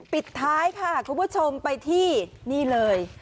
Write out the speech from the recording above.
ปิดท้ายค่ะคุณผู้ชมไปที่นี่เลย